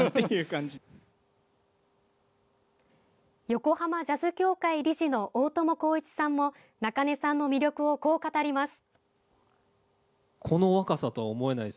横浜Ｊａｚｚ協会理事の大伴公一さんも中根さんの魅力をこう語ります。